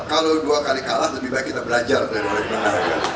kalau dua kali kalah lebih baik kita belajar dari olahraga